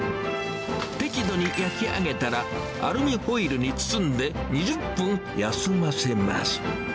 適度に焼き上げたら、アルミホイルに包んで２０分休ませます。